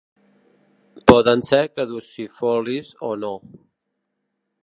Poden ser caducifolis o no.